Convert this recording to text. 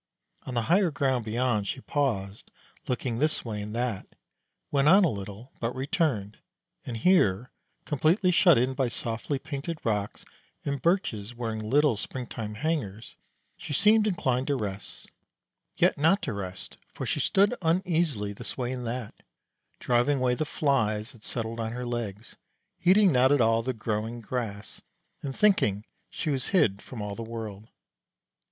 On the higher ground beyond she paused, looked this way and that, went on a little, but returned; and here, completely shut in by softly painted rocks, and birches wearing little springtime hangers, she seemed inclined to rest; yet not to rest, for she stood uneasily this way and that, driving away the flies that settled on her legs, heeding not at all the growing grass, and thinking she was hid from all the world.